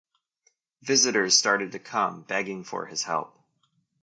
Visitors started to come, begging for his help.